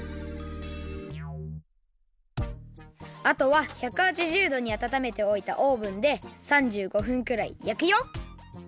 あとは１８０どにあたためておいたオーブンで３５分くらいやくよ。